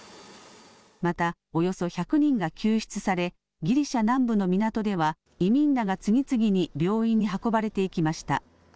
またおよそ１００人が救出されギリシャ南部の港では移民らが次々に病院に運ばれていきました。